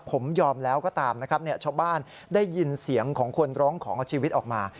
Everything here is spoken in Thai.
ผมยอมแล้วก็ตามนะครับชาวบ้านได้ยินเสียงของคนร้องขอชีวิตออกมา